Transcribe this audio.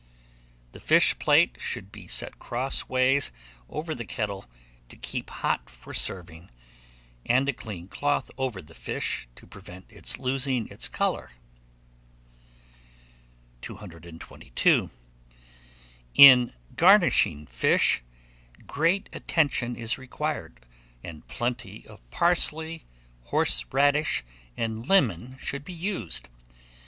The fish plate should be set crossways over the kettle, to keep hot for serving, and a clean cloth over the fish, to prevent its losing its colour. 222. IN GARNISHING FISH, great attention is required, and plenty of parsley, horseradish, and lemon should be used.